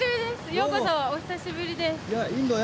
ようこそお久しぶりです